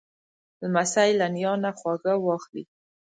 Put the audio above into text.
لمسی له نیا نه خواږه واخلې.